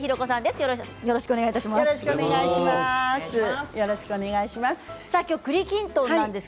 よろしくお願いします。